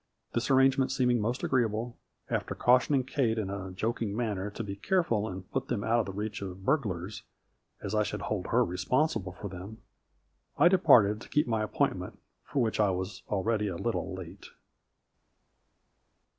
This arrangement seeming most agreeable, after cautioning Kate in a joking manner to be careful and put them out of the reach of burg lars, as I should hold her responsible for them, I departed to keep my appointment, for which I was already a little late.